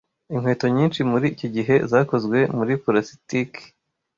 Inkweto nyinshi muri iki gihe zakozwe muri plastiki.